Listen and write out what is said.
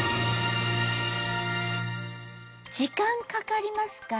時間かかりますか？